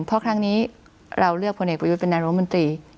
เพราะครั้งนี้เราเลือกพลเอกประยุทธ์เป็นนายรมนตรี